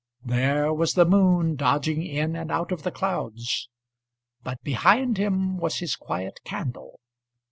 There was the moon dodging in and out of the clouds; But behind him was his quiet candle.